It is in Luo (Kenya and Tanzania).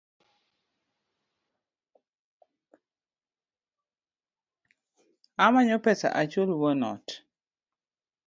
Amanyo pesa achul wuon ot